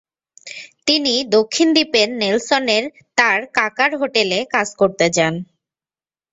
তিনি দক্ষিণ দ্বীপের নেলসনের তার কাকার হোটেলে কাজ করতে যান।